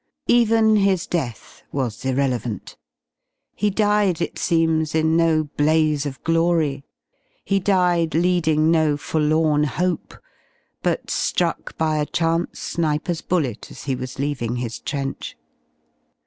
Even his death was irrelevant. He died, it seems, in no ^ blaze of glory, he died leading no forlorn hope, but ^ruck by a chance sniper* s bullet as he ivas leaving his trench.